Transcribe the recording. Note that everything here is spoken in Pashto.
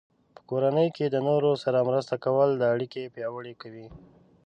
په کورنۍ کې د نورو سره مرسته کول اړیکې پیاوړې کوي.